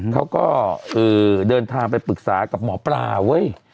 เขาก็เดินทางไปปรึกษากับหมอปลาเว้ย